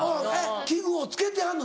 器具をつけてはんの？